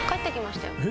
え？